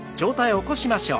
起こしましょう。